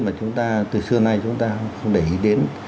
mà chúng ta từ xưa nay chúng ta không để ý đến